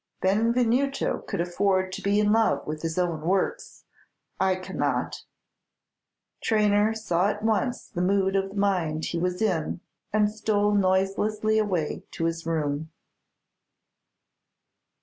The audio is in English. "Benvenuto could afford to be in love with his own works, I cannot!" Traynor saw at once the mood of mind he was in, and stole noiselessly away to his room.